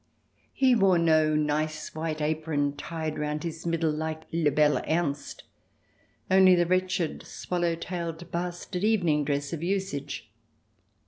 He wore no nice white apron tied round his middle like Le bel Ernst. Only the wretched swallow tailed bastard evening dress of usage.